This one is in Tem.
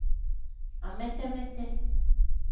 Amete-mete.